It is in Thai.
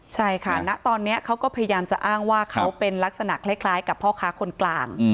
ใช่ค่ะณตอนนี้เขาก็พยายามจะอ้างว่าเขาเป็นลักษณะคล้ายกับพ่อค้าคนกลาง